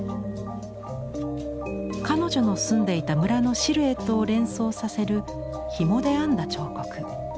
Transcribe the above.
彼女の住んでいた村のシルエットを連想させるひもで編んだ彫刻。